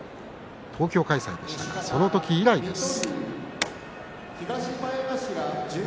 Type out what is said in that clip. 東京開催でしたがその時以来です。